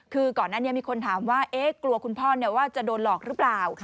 คือก่อนหน้านี้มีคนถามว่ากลัวคุณพ่อว่าจะโดนหลอกหรือเปล่า